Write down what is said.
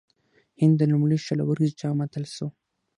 هند د لومړي شل اووريز جام اتل سو.